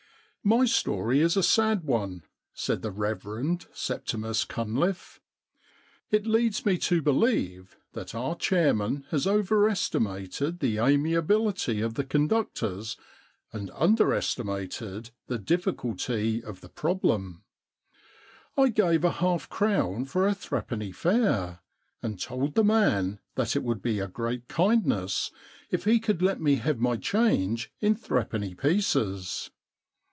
My story is a sad one,* said the Rev. Septimus Cunliffe. * It leads me to believe that our chairman has over estimated the amiability of the conductors and under estimated the difficulty of the problem. I gave a half crown for a threepenny fare, and told the man that it would be a great kind ness if he could let me have my change in threepenny pieces.